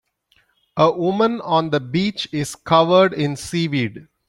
A woman on the beach is covered in seaweed.